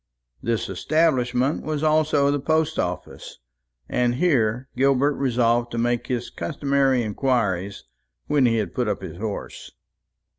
This establishment was also the post office, and here Gilbert resolved to make his customary inquiries, when he had put up his horse.